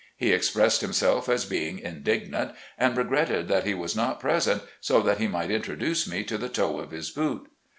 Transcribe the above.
He expressed himself as being indignant, and regretted that he was not present, so that he might introduce me to the toe of his boot.